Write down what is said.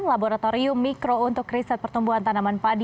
laboratorium mikro untuk riset pertumbuhan tanaman padi